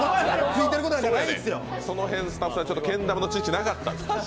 その辺、スタッフさん、けん玉の知識なかったんだ。